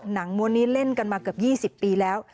ม้วนนี้เล่นกันมาเกือบ๒๐ปีแล้ว